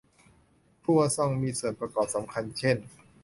ครัวซองมีส่วนประกอบสำคัญเช่น